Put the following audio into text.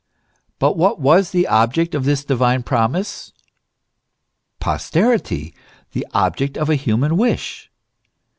But what was the object of this divine promise ? Posterity : the object of a human wish.